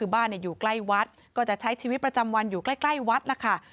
บ้านอยู่ใกล้วัดก็จะใช้ชีวิตประจำวันอยู่ใกล้วัดล่ะค่ะ